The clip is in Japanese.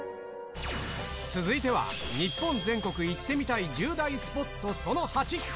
続いては日本全国行ってみたい１０大スポットその８。